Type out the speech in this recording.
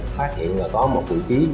phát hiện là có một vị trí